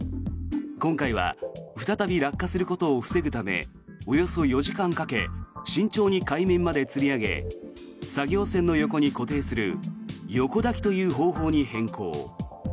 今回は再び落下することを防ぐためおよそ４時間かけ慎重に海面までつり上げ作業船の横に固定する横抱きという方法に変更。